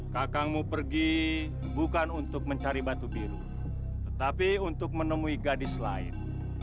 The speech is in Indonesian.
kakangmu pergi bukan untuk mencari batu biru tetapi untuk menemui gadis lain